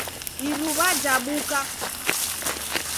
Iruw'a jabuka.